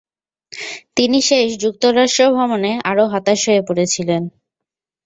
তিনি শেষ যুক্তরাষ্ট্র ভ্রমণে আরও হতাশ হয়ে পড়েছিলেন।